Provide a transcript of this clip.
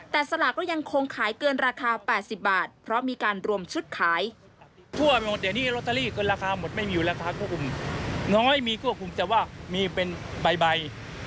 แต่สลากก็ยังคงขายเกินราคา๘๐บาทเพราะมีการรวมชุดขาย